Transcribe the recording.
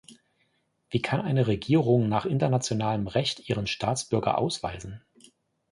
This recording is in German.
Wie kann eine Regierung nach internationalem Recht ihren Staatsbürger ausweisen?